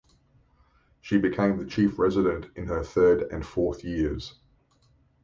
She became the Chief Resident in her third and fourth years.